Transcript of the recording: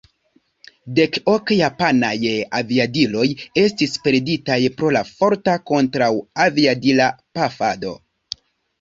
Dek ok japanaj aviadiloj estis perditaj pro la forta kontraŭ-aviadila pafado.